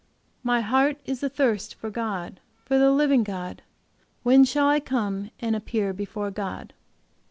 My heart is athirst for God, for the living God. When shall I come and appear before God?"